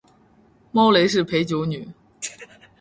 猫雷是陪酒女